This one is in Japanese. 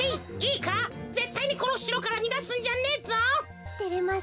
いいかぜったいにこのしろからにがすんじゃねえぞ。